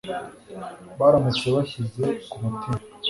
baramutse bashyize ku mutima